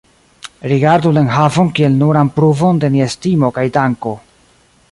Rigardu la enhavon kiel nuran pruvon de nia estimo kaj danko.